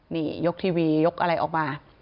นี่ยกทีวียกอะไรออกมา